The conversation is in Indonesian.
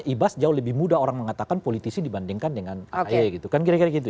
ibas jauh lebih mudah orang mengatakan politisi dibandingkan dengan ahaye gitu